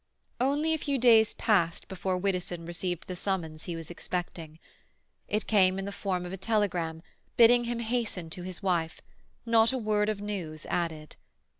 Only a few days passed before Widdowson received the summons he was expecting. It came in the form of a telegram, bidding him hasten to his wife; not a word of news added.